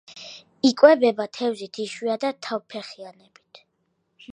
იკვებება თევზით, იშვიათად თავფეხიანებით.